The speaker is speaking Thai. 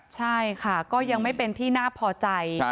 ใช่ค่ะก็ยังไม่เป็นที่น่าพอใจ